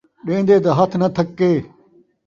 ݙین٘دے دا ہتھ ناں تھکے